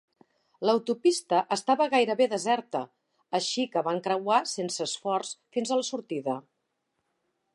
L'autopista estava gairebé deserta, així que van creuar sense esforç fins a la sortida.